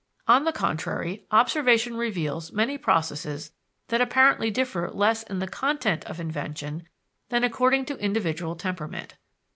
On the contrary, observation reveals many processes that apparently differ less in the content of invention than according to individual temperament.